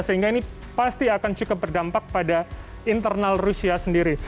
sehingga ini pasti akan cukup berdampak pada internal rusia sendiri